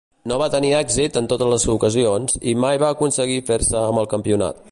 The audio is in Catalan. No va tenir èxit en totes les ocasions i mai va aconseguir fer-se amb el campionat.